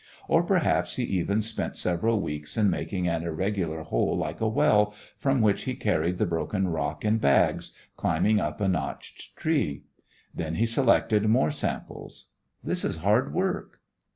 Or perhaps he even spent several weeks in making an irregular hole like a well, from which he carried the broken rock in bags, climbing up a notched tree. Then he selected more samples. This is hard work.